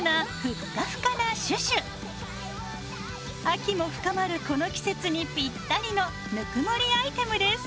秋も深まるこの季節にぴったりのぬくもりアイテムです。